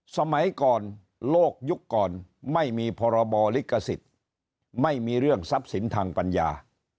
สมัยก่อนโลกยุคก่อนไม่มีพรบลิขสิทธิ์ไม่มีเรื่องทรัพย์สินทางปัญญา